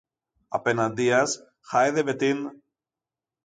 Απεναντίας, χάιδευε την